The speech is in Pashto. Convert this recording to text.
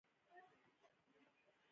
همدا مې بس دي.